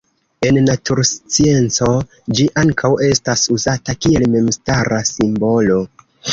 En naturscienco ĝi ankaŭ estas uzata kiel memstara simbolo.